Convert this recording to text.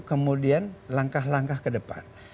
kemudian langkah langkah ke depan